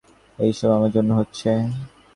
এইসব আমার জন্য হচ্ছে।